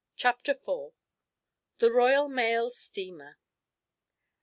CHAPTER FOUR. THE ROYAL MAIL STEAMER.